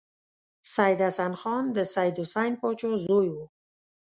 سید حسن خان د سید حسین پاچا زوی و.